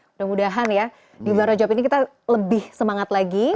mudah mudahan ya di barojob ini kita lebih semangat lagi